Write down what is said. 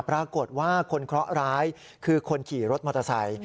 ปรากฏว่าคนเคราะหร้ายคือคนขี่รถมอเตอร์ไซค์